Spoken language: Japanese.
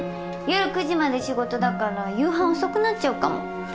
夜９時まで仕事だから夕飯遅くなっちゃうかも。